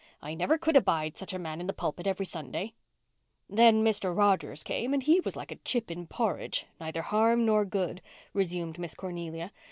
"I never could abide such a man in the pulpit every Sunday." "Then Mr. Rogers came and he was like a chip in porridge—neither harm nor good," resumed Miss Cornelia.